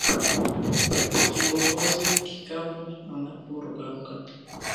Kikohozi kikavu anaporukaruka